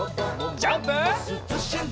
ジャンプ！